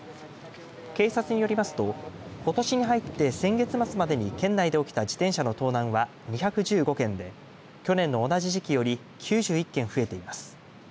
警察によりますとことしに入って先月末までに県内で起きた自転車の盗難は２１５件で去年の同じ時期より９１件増えています。